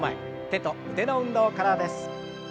手と腕の運動からです。